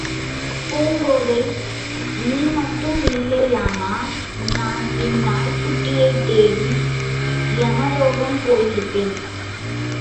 பூங்கோதை, நீ மட்டும் இல்லையானா நான் என் நாய்க்குட்டியைத் தேடி எமலோகம் போயிருப்பேன்.